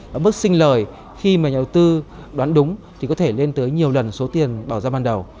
và mức sinh lời khi mà nhà đầu tư đoán đúng thì có thể lên tới nhiều lần số tiền bỏ ra ban đầu